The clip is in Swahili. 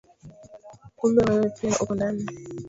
Kumbe wewe pia uko ndani